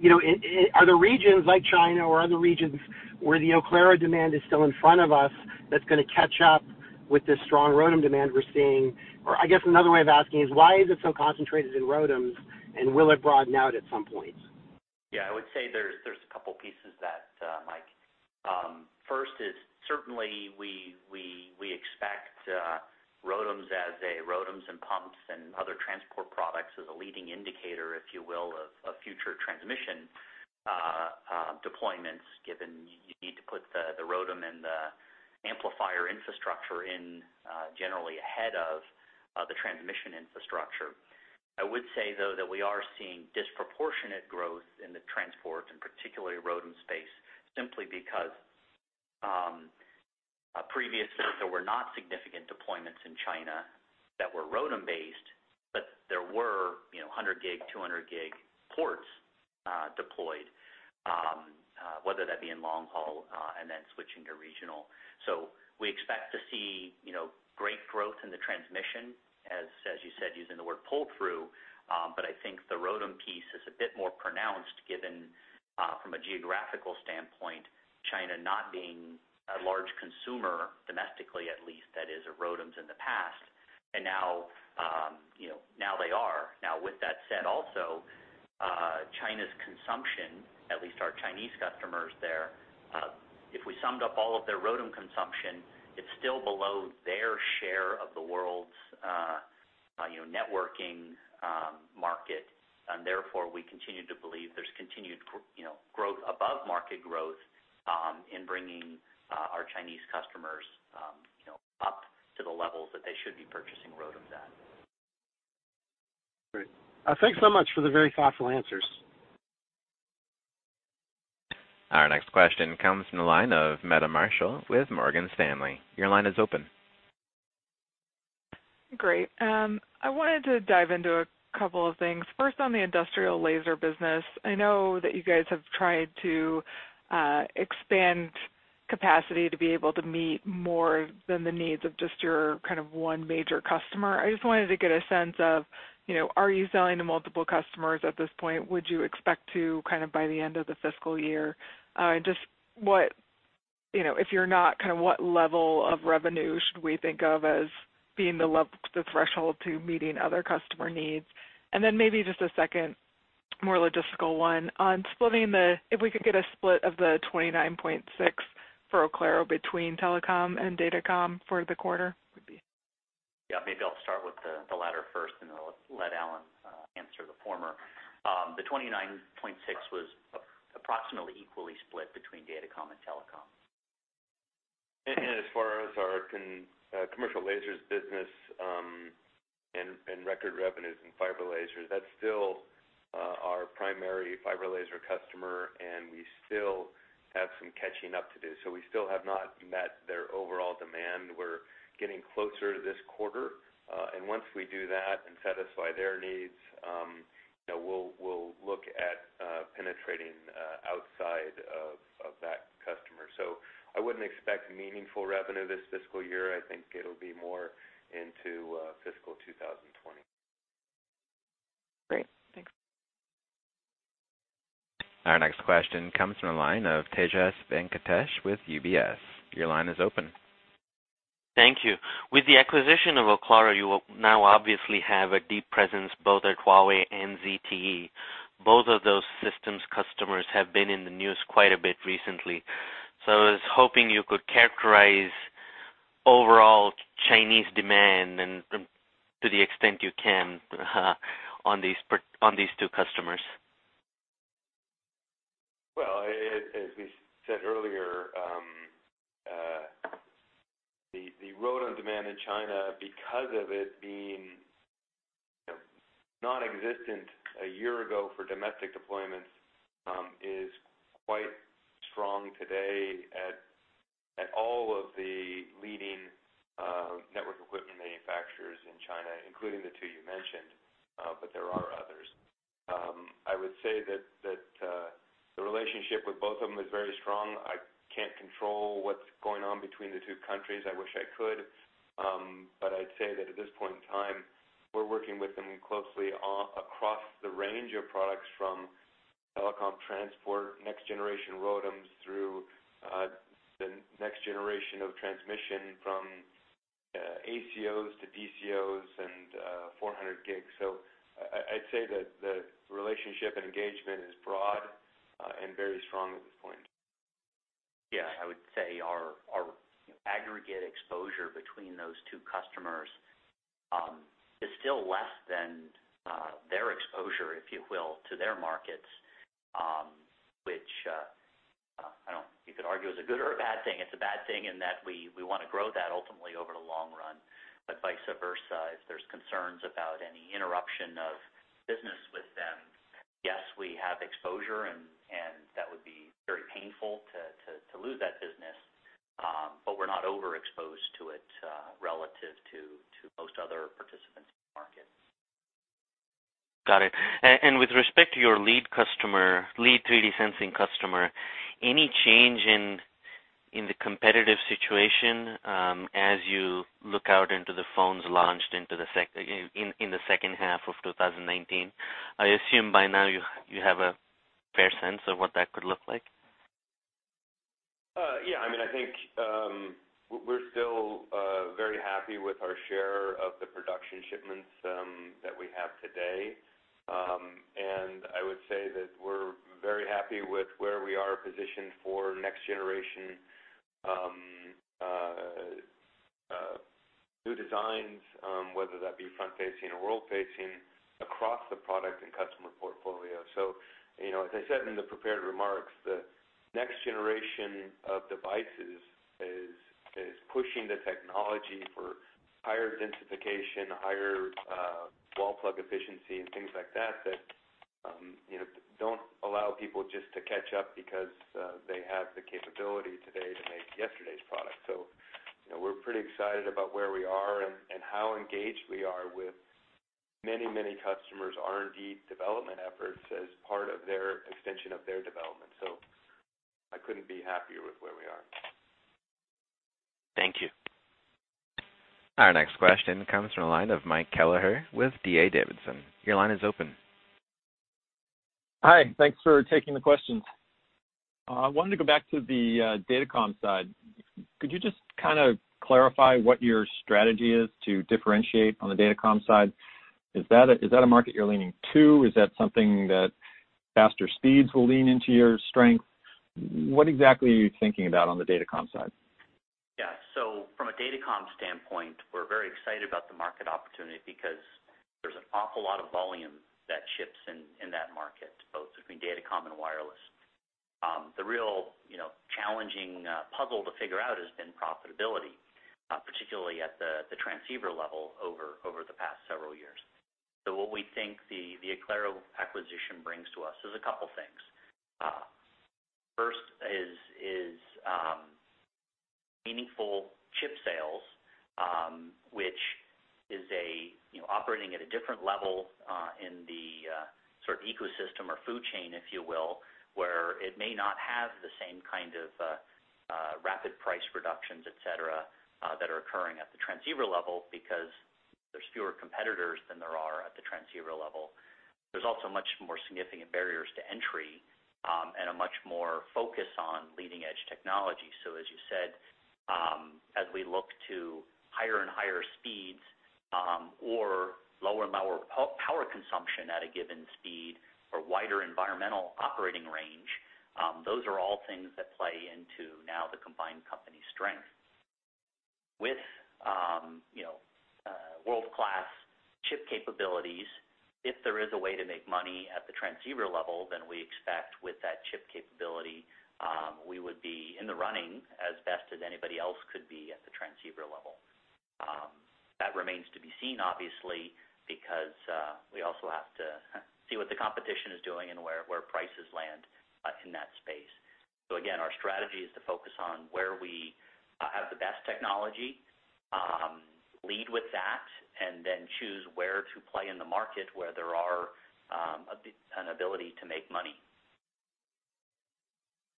the regions like China or other regions where the Oclaro demand is still in front of us, that's going to catch up with this strong ROADM demand we're seeing? I guess another way of asking is why is it so concentrated in ROADMs, and will it broaden out at some point? Yeah, I would say there's a couple pieces there, Mike. First is certainly we expect ROADMs and pump lasers and other transport products as a leading indicator, if you will, of future transmission deployments, given you need to put the ROADM and the amplifier infrastructure in generally ahead of the transmission infrastructure. I would say, though, that we are seeing disproportionate growth in the transport, and particularly ROADM space, simply because previously there were not significant deployments in China that were ROADM based, but there were 100 gig, 200 gig ports deployed whether that be in long-haul and then switching to regional. We expect to see great growth in the transmission, as you said, using the word pull through. I think the ROADM piece is a bit more pronounced given from a geographical standpoint, China not being a large consumer domestically, at least that is of ROADMs in the past. Now they are. With that said, also China's consumption, at least our Chinese customers there if we summed up all of their ROADM consumption, it's still below their share of the world's networking market. Therefore, we continue to believe there's continued above market growth in bringing our Chinese customers up to the levels that they should be purchasing ROADM's app. Great. Thanks so much for the very thoughtful answers. Our next question comes from the line of Meta Marshall with Morgan Stanley. Your line is open. Great. I wanted to dive into a couple of things. First on the industrial laser business. I know that you guys have tried to expand capacity to be able to meet more than the needs of just your one major customer. I just wanted to get a sense of are you selling to multiple customers at this point? Would you expect to by the end of the fiscal year? If you're not, what level of revenue should we think of as being the threshold to meeting other customer needs? Then maybe just a second more logistical one. If we could get a split of the $29.6 million for Oclaro between telecom and datacom for the quarter would be. Maybe I'll start with the latter first. I'll let Alan answer the former. The $29.6 million was approximately equally split between datacom and telecom. As far as our commercial lasers business and record revenues in fiber lasers, that's still our primary fiber laser customer, and we still have some catching up to do. We still have not met their overall demand. We're getting closer this quarter. Once we do that and satisfy their needs, we'll look at penetrating outside of that customer. I wouldn't expect meaningful revenue this fiscal year. I think it'll be more into fiscal 2020. Great. Thanks. Our next question comes from the line of Tejas Venkatesh with UBS. Your line is open. Thank you. With the acquisition of Oclaro, you will now obviously have a deep presence, both at Huawei and ZTE. Both of those systems customers have been in the news quite a bit recently. I was hoping you could characterize overall Chinese demand to the extent you can on these two customers. Well, as we said earlier, the ROADM demand in China, because of it being nonexistent a year ago for domestic deployments is quite strong today at all of the leading network equipment manufacturers in China, including the two you mentioned, there are others. I would say that the relationship with both of them is very strong. I can't control what's going on between the two countries. I wish I could. I'd say that at this point in time, we're working with them closely across the range of products from telecom transport, next generation ROADMs, through the next generation of transmission from ACOs to DCOs and 400 gig. I'd say that the relationship and engagement is broad and very strong at this point. Yeah, I would say our aggregate exposure between those two customers is still less than their exposure, if you will, to their markets, which you could argue is a good or a bad thing. It's a bad thing in that we want to grow that ultimately over the long run, but vice versa, if there's concerns about any interruption of business with them, yes, we have exposure, and that would be very painful to lose that business. Not overexposed to it, relative to most other participants in the market. Got it. With respect to your lead 3D sensing customer, any change in the competitive situation as you look out into the phones launched in the second half of 2019? I assume by now you have a fair sense of what that could look like? Yeah. I think we're still very happy with our share of the production shipments that we have today. I would say that we're very happy with where we are positioned for next generation new designs, whether that be front-facing or world-facing, across the product and customer portfolio. As I said in the prepared remarks, the next generation of devices is pushing the technology for higher densification, higher wall plug efficiency, and things like that don't allow people just to catch up because they have the capability today to make yesterday's product. We're pretty excited about where we are and how engaged we are with many customers, R&D development efforts as part of their extension of their development. I couldn't be happier with where we are. Thank you. Our next question comes from the line of Mark Kelleher with D.A. Davidson. Your line is open. Hi. Thanks for taking the questions. I wanted to go back to the datacom side. Could you just clarify what your strategy is to differentiate on the datacom side? Is that a market you're leaning to? Is that something that faster speeds will lean into your strength? What exactly are you thinking about on the Datacom side? Yeah. From a Datacom standpoint, we're very excited about the market opportunity because there's an awful lot of volume that ships in that market, both between Datacom and wireless. The real challenging puzzle to figure out has been profitability, particularly at the transceiver level over the past several years. What we think the Oclaro acquisition brings to us is a couple things. First is meaningful chip sales, which is operating at a different level in the sort of ecosystem or food chain, if you will, where it may not have the same kind of rapid price reductions, et cetera, that are occurring at the transceiver level because there's fewer competitors than there are at the transceiver level. There's also much more significant barriers to entry, and a much more focus on leading-edge technology. As you said, as we look to higher and higher speeds, or lower power consumption at a given speed or wider environmental operating range, those are all things that play into, now, the combined company's strength. With world-class chip capabilities, if there is a way to make money at the transceiver level, we expect with that chip capability, we would be in the running as best as anybody else could be at the transceiver level. That remains to be seen, obviously, because we also have to see what the competition is doing and where prices land in that space. Again, our strategy is to focus on where we have the best technology, lead with that, and then choose where to play in the market, where there are an ability to make money.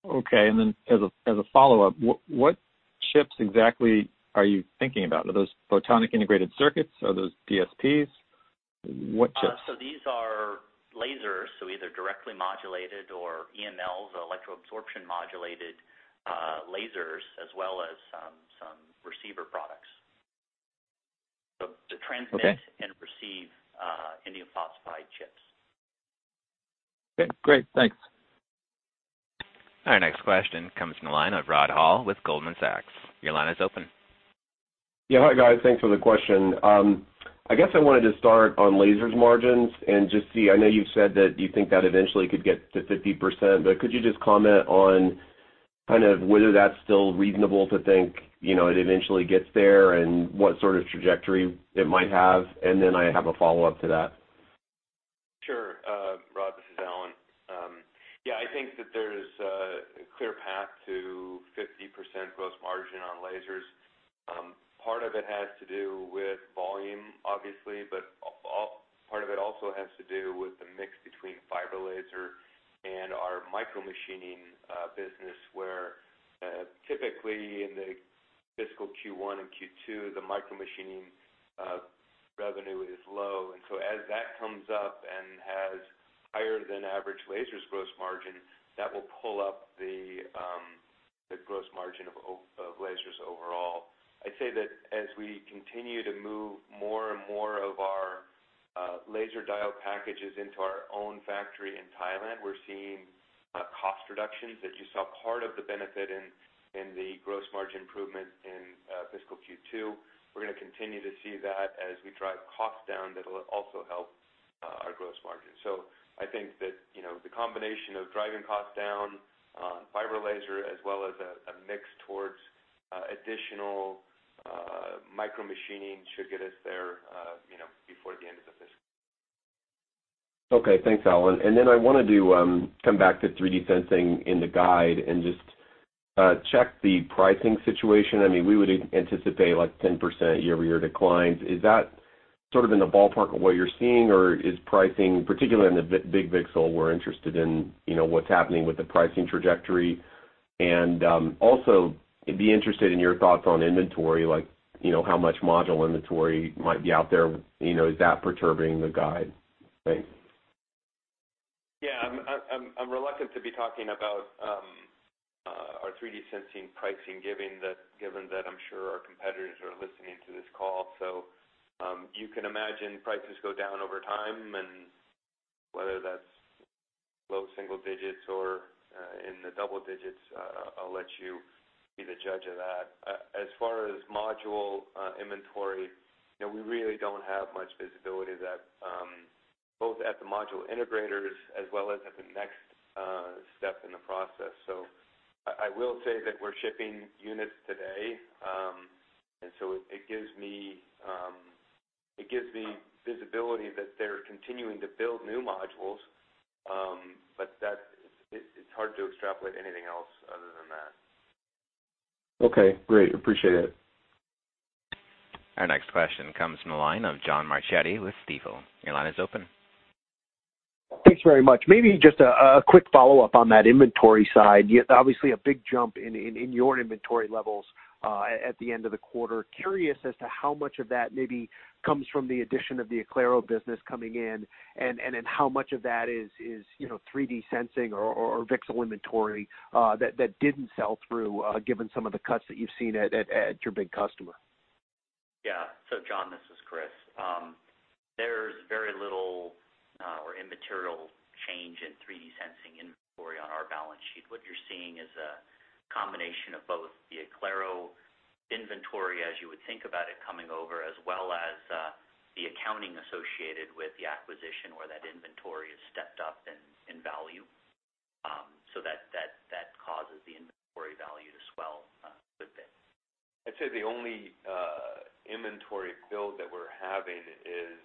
Okay, as a follow-up, what chips exactly are you thinking about? Are those photonic integrated circuits? Are those DSPs? What chips? These are lasers, either directly modulated or EMLs, electro-absorption modulated lasers, as well as some receiver products. To transmit- Okay and receive indium phosphide chips. Okay, great. Thanks. Our next question comes from the line of Rod Hall with Goldman Sachs. Your line is open. Yeah. Hi guys, thanks for the question. I guess I wanted to start on lasers margins and just see, I know you've said that you think that eventually could get to 50%, but could you just comment on kind of whether that's still reasonable to think it eventually gets there, and what sort of trajectory it might have, and then I have a follow-up to that. Sure. Rod, this is Alan. I think that there's a clear path to 50% gross margin on lasers. Part of it has to do with volume, obviously, but part of it also has to do with the mix between fiber laser and our micromachining business, where typically in the fiscal Q1 and Q2, the micromachining revenue is low. As that comes up and has higher than average lasers gross margin, that will pull up the gross margin of lasers overall. I'd say that as we continue to move more and more of our laser diode packages into our own factory in Thailand, we're seeing cost reductions that you saw part of the benefit in the gross margin improvement in fiscal Q2. We're going to continue to see that as we drive costs down, that'll also help our gross margin. I think that the combination of driving costs down, fiber laser, as well as a mix towards additional micromachining should get us there before the end of the fiscal year. Okay. Thanks, Alan. I wanted to come back to 3D sensing in the guide and just check the pricing situation. We would anticipate 10% year-over-year declines. Is that sort of in the ballpark of what you're seeing, or is pricing, particularly in the big VCSEL, we're interested in what's happening with the pricing trajectory? Also, I'd be interested in your thoughts on inventory, like how much module inventory might be out there. Is that perturbing the guide? Thanks. I'm reluctant to be talking about our 3D sensing pricing, given that I'm sure our competitors are listening to this call. You can imagine prices go down over time, and whether that's low single digits or in the double digits, I'll let you be the judge of that. As far as module inventory, we really don't have much visibility that both at the module integrators as well as at the next step in the process. I will say that we're shipping units today. It gives me visibility that they're continuing to build new modules, but it's hard to extrapolate anything else other than that. Okay, great. Appreciate it. Our next question comes from the line of John Marchetti with Stifel. Your line is open. Thanks very much. Maybe just a quick follow-up on that inventory side. Obviously, a big jump in your inventory levels at the end of the quarter. Curious as to how much of that maybe comes from the addition of the Oclaro business coming in, and then how much of that is 3D sensing or VCSEL inventory that didn't sell through, given some of the cuts that you've seen at your big customer? Yeah. John, this is Chris. There's very little or immaterial change in 3D sensing inventory on our balance sheet. What you're seeing is a combination of both the Oclaro inventory, as you would think about it coming over, as well as the accounting associated with the acquisition where that inventory is stepped up in value so that causes the inventory value to swell a bit. I'd say the only inventory build that we're having is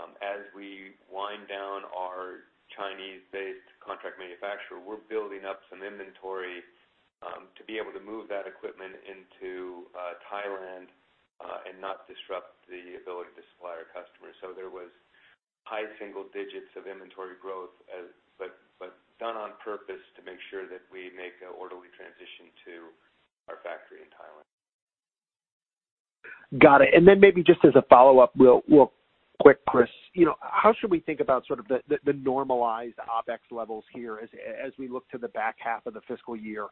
as we wind down our Chinese-based contract manufacturer, we're building up some inventory to be able to move that equipment into Thailand and not disrupt the ability to supply our customers. There was high single digits of inventory growth, but done on purpose to make sure that we make an orderly transition to our factory in Thailand. Got it. Maybe just as a follow-up real quick, Chris, how should we think about sort of the normalized OpEx levels here as we look to the back half of the fiscal year?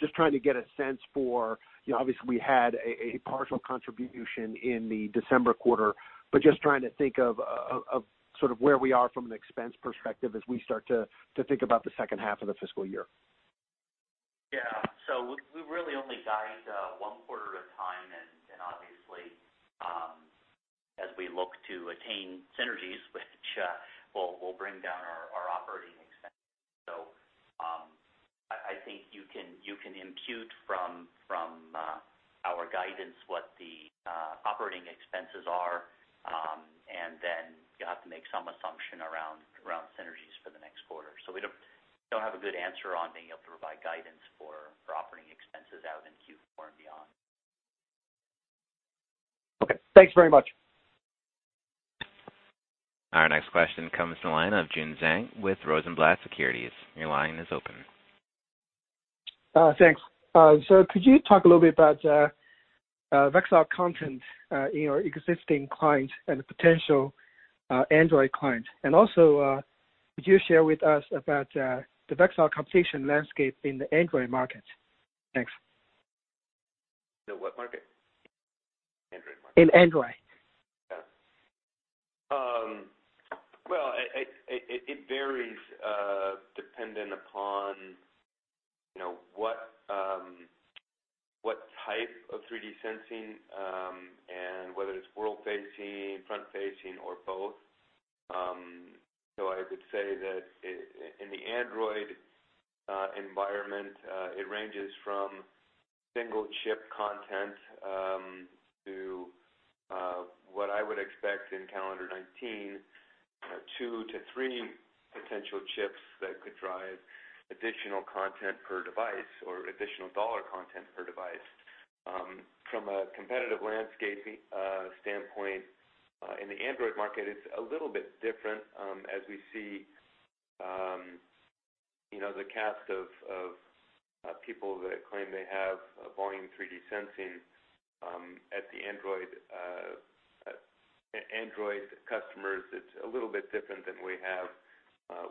Just trying to get a sense for, obviously, we had a partial contribution in the December quarter, but just trying to think of sort of where we are from an expense perspective as we start to think about the second half of the fiscal year? Yeah. We really only guide one quarter at a time, and obviously, as we look to attain synergies, which will bring down our operating expenses. I think you can impute from our guidance what the operating expenses are, you have to make some assumption around synergies for the next quarter. We don't have a good answer on being able to provide guidance for operating expenses out in Q4 and beyond. Okay. Thanks very much. Our next question comes to the line of Jun Zhang with Rosenblatt Securities. Your line is open. Thanks. Could you talk a little bit about VCSEL content in your existing client and the potential Android client? Also, could you share with us about the VCSEL completion landscape in the Android market? Thanks. In what market, android market? In android. Yeah. Well, it varies dependent upon what type of 3D sensing and whether it's world facing, front facing, or both. I would say that in the Android environment, it ranges from single chip content to what I would expect in calendar 2019, 2-3 potential chips that could drive additional content per device or additional dollar content per device. From a competitive landscape standpoint, in the Android market, it's a little bit different as we see the cast of people that claim they have volume 3D sensing at the Android customers, it's a little bit different than we have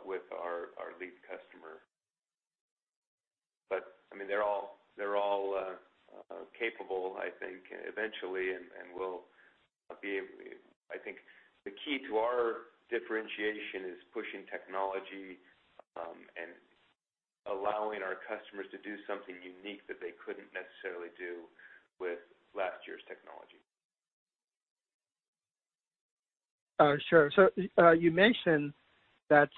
with our lead customer. They're all capable, I think, eventually, and will be able to. I think the key to our differentiation is pushing technology and allowing our customers to do something unique that they couldn't necessarily do with last year's technology. Sure. You mentioned that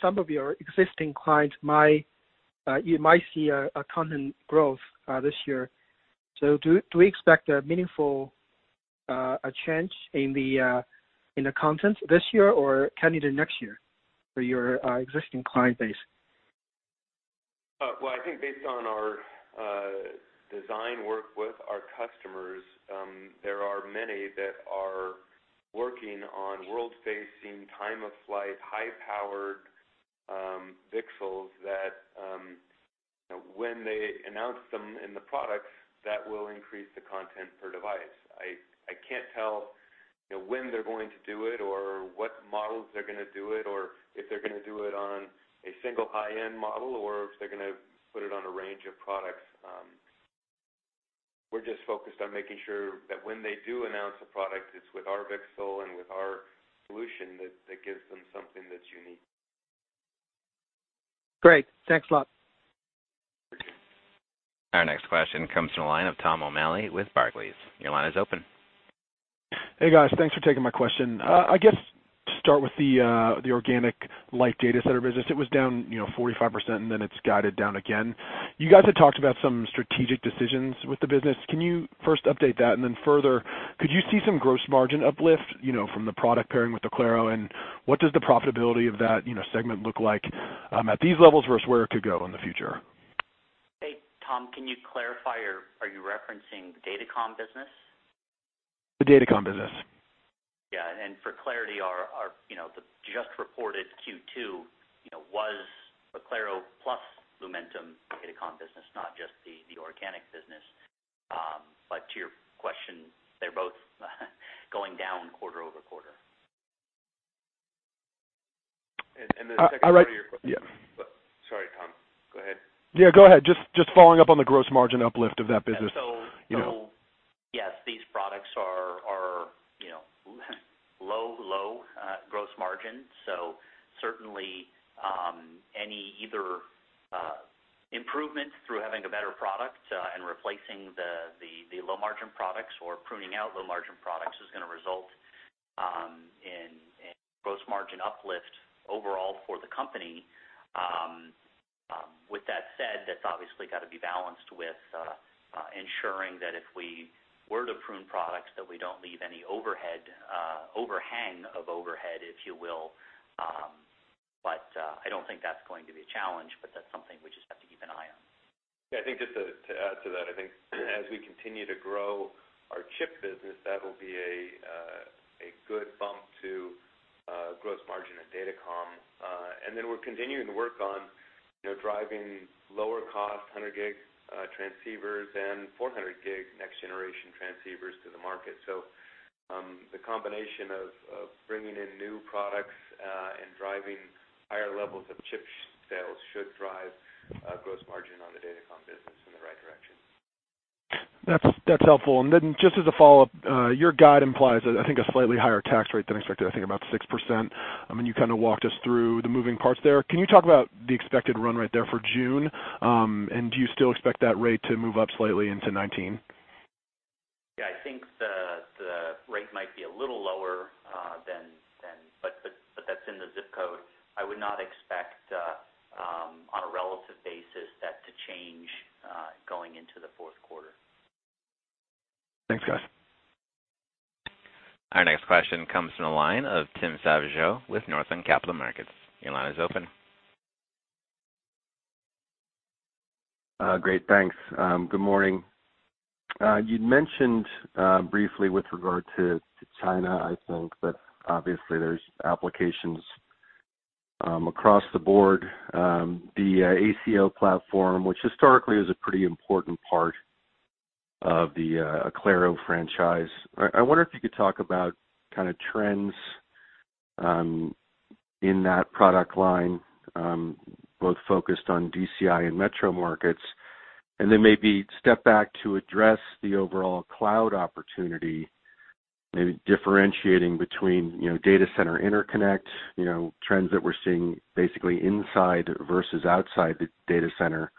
some of your existing clients, you might see a content growth this year. Do we expect a meaningful change in the content this year, or can it be next year for your existing client base? Well, I think based on our design work with our customers, there are many that are working on world-facing, time-of-flight, high-powered VCSELs that when they announce them in the products, that will increase the content per device. I can't tell when they're going to do it or what models they're going to do it, or if they're going to do it on a single high-end model, or if they're going to put it on a range of products. We're just focused on making sure that when they do announce a product, it's with our VCSEL and with our solution that gives them something that's unique. Great. Thanks a lot. Our next question comes from the line of Tom O'Malley with Barclays. Your line is open. Hey, guys. Thanks for taking my question. I guess to start with the organic Lumentum data center business. It was down 45%, then it's guided down again. You guys had talked about some strategic decisions with the business. Can you first update that, then further, could you see some gross margin uplift from the product pairing with Oclaro? What does the profitability of that segment look like at these levels versus where it could go in the future? Hey, Tom, can you clarify, are you referencing the Datacom business? The Datacom business. Yeah. For clarity, the just reported Q2 was Oclaro plus Lumentum Datacom business, not just the organic business. To your question, they're both going down quarter-over-quarter. The second part of your question. Sorry, Tom. Go ahead. Yeah, go ahead. Just following up on the gross margin uplift of that business. Yes, these products are low, low gross margin, certainly any either improvement through having a better product and replacing the low-margin products or pruning out low-margin products is going to result in gross margin uplift overall for the company. With that said, that's obviously got to be balanced with ensuring that if we were to prune products, that we don't leave any overhang of overhead, if you will. I don't think that's going to be a challenge, that's something we just have to keep an eye on. Yeah, I think just to add to that, I think as we continue to grow our chip business, that'll be a good bump to gross margin at Datacom. Then we're continuing to work on driving lower cost 100 gig transceivers and 400gig next generation transceivers to the market. The combination of bringing in new products and driving higher levels of chip sales should drive gross margin on the Datacom business in the right direction. That's helpful. Then just as a follow-up, your guide implies, I think, a slightly higher tax rate than expected, I think about 6%. You walked us through the moving parts there. Can you talk about the expected run rate there for June? Do you still expect that rate to move up slightly into 2019? I think the rate might be a little lower, but that's in the zip code. I would not expect, on a relative basis, that to change going into the fourth quarter. Thanks, guys. Our next question comes from the line of Tim Savageaux with Northland Capital Markets. Your line is open. Great, thanks. Good morning. You'd mentioned briefly with regard to China, I think. Obviously there's applications across the Board, the ACO platform, which historically is a pretty important part of the Oclaro franchise. I wonder if you could talk about trends in that product line, both focused on DCI and metro markets, and then maybe step back to address the overall cloud opportunity, maybe differentiating between data center interconnect trends that we're seeing basically inside versus outside the data center,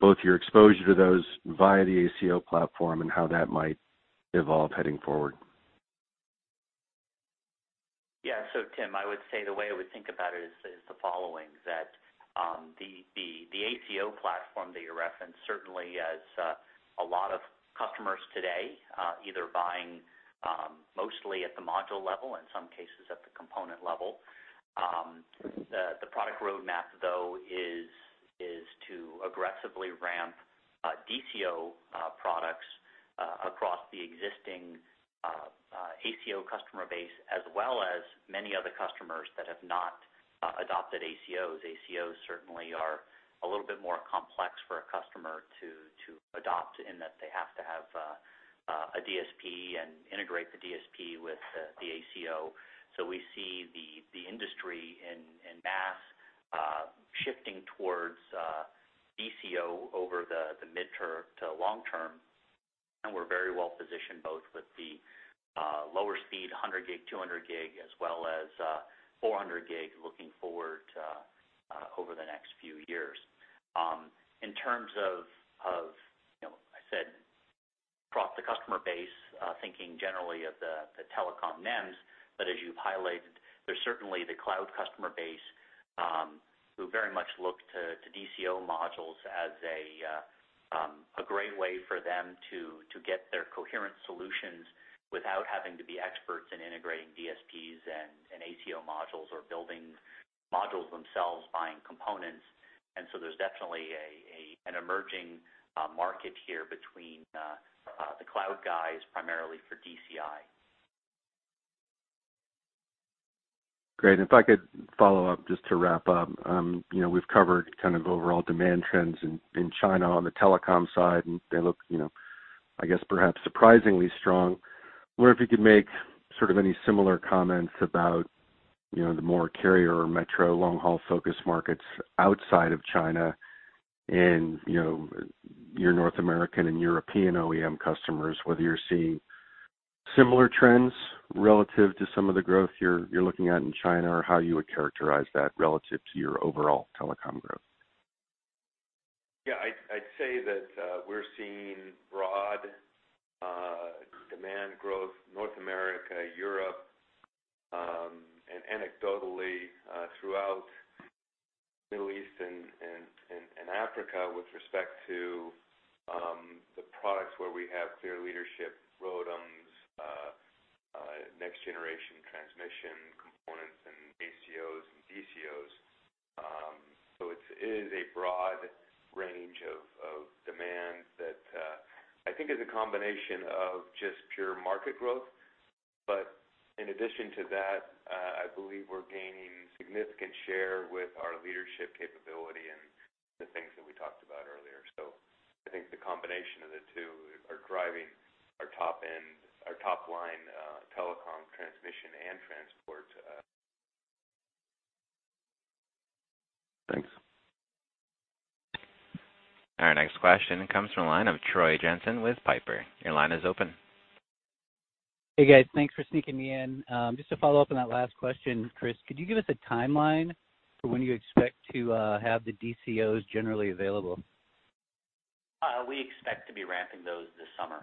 both your exposure to those via the ACO platform and how that might evolve heading forward? Yeah. Tim, I would say the way I would think about it is the following, that the ACO platform that you referenced certainly has a lot of customers today either buying mostly at the module level, in some cases at the component level. The product roadmap though is to aggressively ramp DCO products across the existing ACO customer base, as well as many other customers that have not adopted ACOs. ACOs certainly are a little bit more complex for a customer to adopt in that they have to have a DSP and integrate the DSP with the ACO. We see the industry in mass shifting towards DCO over the midterm to long term, and we're very well positioned both with the lower speed 100gig, 200gig, as well as 400 gig looking forward over the next few years. In terms of, I said, across the customer base, thinking generally of the telecom NEMs. As you've highlighted, there's certainly the cloud customer base who very much look to DCO modules as a great way for them to get their coherent solutions without having to be experts in integrating DSPs and ACO modules or building modules themselves, buying components. There's definitely an emerging market here between the cloud guys, primarily for DCI. Great. If I could follow up just to wrap up. We've covered overall demand trends in China on the telecom side. They look, I guess, perhaps surprisingly strong. I wonder if you could make any similar comments about the more carrier or metro long-haul focus markets outside of China and your North American and European OEM customers, whether you're seeing similar trends relative to some of the growth you're looking at in China, or how you would characterize that relative to your overall telecom growth. Yeah. I'd say that we're seeing broad demand growth, North America, Europe, and anecdotally, throughout Middle East and Africa with respect to the products where we have clear leadership ROADMs, next generation transmission components, and ACOs and DCOs. It is a broad range of demand that I think is a combination of just pure market growth. In addition to that, I believe we're gaining significant share with our leadership capability and the things that we talked about earlier. I think the combination of the two are driving our top line telecom transmission and transport. Thanks. Our next question comes from the line of Troy Jensen with Piper. Your line is open. Hey, guys. Thanks for sneaking me in. Just to follow up on that last question. Chris, could you give us a timeline for when you expect to have the DCOs generally available? We expect to be ramping those this summer.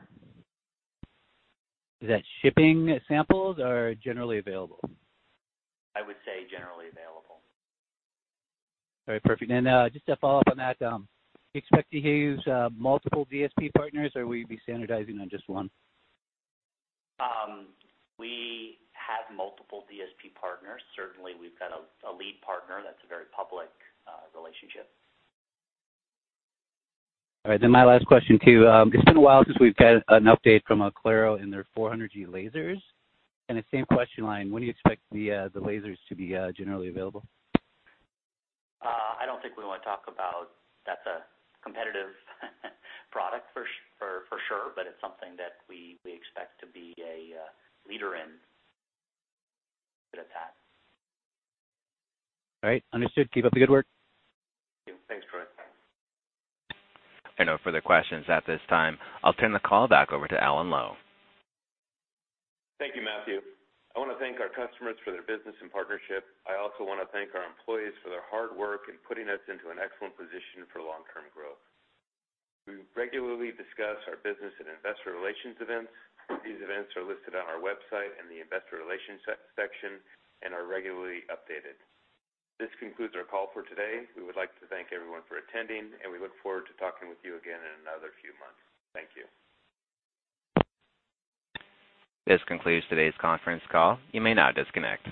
Is that shipping samples or generally available? I would say generally available. All right, perfect. Just to follow up on that, do you expect to use multiple DSP partners, or will you be standardizing on just one? We have multiple DSP partners. Certainly, we've got a lead partner that's a very public relationship. All right. My last question, too. It's been a while since we've got an update from Oclaro and their 400G lasers. In the same question line, when do you expect the lasers to be generally available? That's a competitive product for sure, but it's something that we expect to be a leader in. Put it at that. All right. Understood. Keep up the good work. Thank you. Thanks, Troy. I have no further questions at this time. I'll turn the call back over to Alan Lowe. Thank you, Matthew. I want to thank our customers for their business and partnership. I also want to thank our employees for their hard work in putting us into an excellent position for long-term growth. We regularly discuss our business and investor relations events. These events are listed on our website in the investor relations section and are regularly updated. This concludes our call for today. We would like to thank everyone for attending, and we look forward to talking with you again in another few months. Thank you. This concludes today's conference call. You may now disconnect.